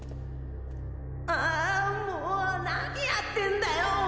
あもう何やってんだよ俺！